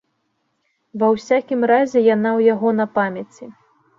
Ва ўсякім разе яна ў яго на памяці.